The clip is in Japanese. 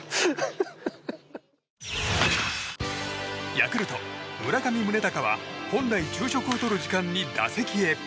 ヤクルト、村上宗隆は本来昼食をとる時間に打席へ。